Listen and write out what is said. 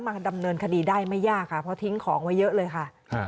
ดำเนินคดีได้ไม่ยากค่ะเพราะทิ้งของไว้เยอะเลยค่ะ